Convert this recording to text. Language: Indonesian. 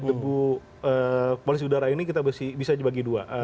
debu koalisi udara ini kita bisa dibagi dua